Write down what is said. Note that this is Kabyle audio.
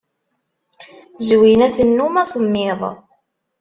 Zwina tennum asemmiḍ.